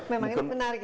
memang itu menarik